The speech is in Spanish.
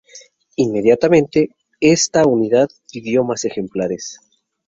Inmediatamente, esta unidad pidió más ejemplares.